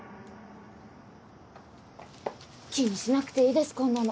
気にしなくていいですこんなの。